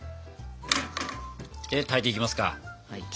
で炊いていきますか。